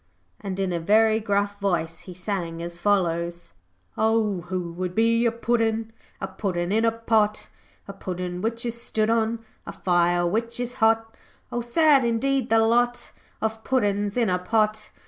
And in a very gruff voice he sang as follows: 'O, who would be a puddin', A puddin' in a pot, A puddin' which is stood on A fire which is hot? O sad indeed the lot Of puddin's in a pot.